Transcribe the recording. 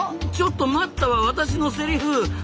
「ちょっと待った」は私のセリフ！